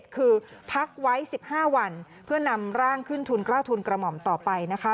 คือพักไว้๑๕วันเพื่อนำร่างขึ้นทุนกล้าทุนกระหม่อมต่อไปนะคะ